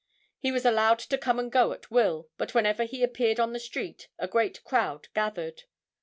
He was allowed to come and go at will, but whenever he appeared on the street a great crowd gathered.